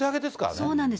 そうなんです。